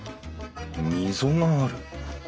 溝がある。